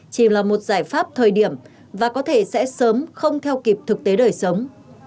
chỉ là một giải pháp thời điểm và có thể sẽ sớm không theo kịp thực tế đời sống